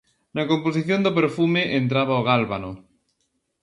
Na composición do perfume entraba o gálbano.